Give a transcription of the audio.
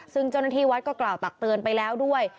ซึ่งเจ้าหน้าที่วัดก็กล่าวตักเตือนไปแล้วด้วย